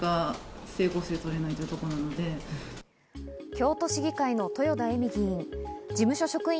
京都市議会の豊田恵美議員。